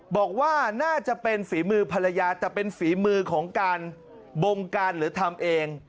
บอกว่าน่าจะเป็นฝีมือภรรยาแต่เป็นฝีมือของการบงการหรือทำเอง